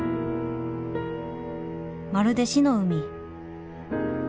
まるで死の海。